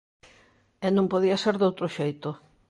E non podía ser doutro xeito.